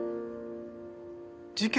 事件